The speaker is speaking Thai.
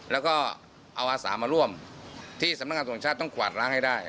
แล้วก็เอาอาสามาร่วมที่สำนักงานส่งชาติต้องกวาดล้างให้ได้